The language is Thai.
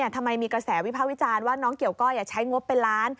ทำไมมีกระแสวิภาควิจารณ์ว่าน้องเกี่ยวก้อยใช้งบเป็นล้าน